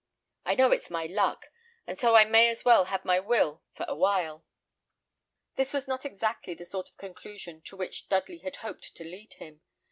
I know it's my luck, and so I may as well have my will for a while." This was not exactly the sort of conclusion to which Dudley had hoped to lead him.